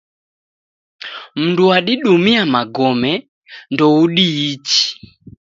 Mundu wadidumia magome ndoudiichi